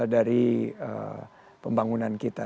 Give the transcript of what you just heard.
dari pembangunan kita